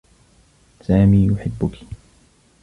سامي يحبّكِ